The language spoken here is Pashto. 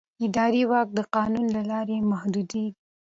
اداري واک د قانون له لارې محدودېږي.